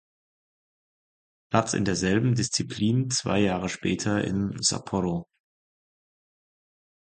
Platz in derselben Disziplin zwei Jahre später in Sapporo.